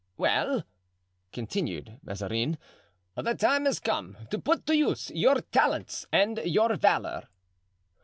"Well," continued Mazarin, "the time has come to put to use your talents and your valor."